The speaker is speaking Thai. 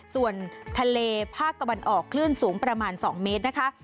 ส่วนทะเลภาคตะวันออกคลื่นสูงประมาณ๒เมตรนะคะ